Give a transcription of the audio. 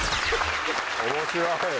面白い。